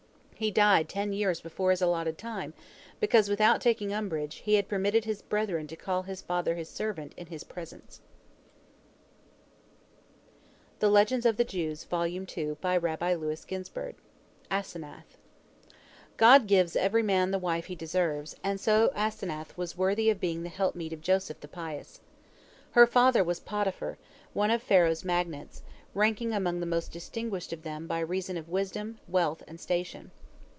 " He died ten years before his allotted time, because, without taking umbrage, he had permitted his brethren to call his father his "servant" in his presence. ASENATH God gives every man the wife he deserves, and so Asenath was worthy of being the helpmeet of Joseph the pious. Her father was Potiphar, one of Pharaoh's magnates, ranking among the most distinguished of them by reason of wisdom, wealth, and station.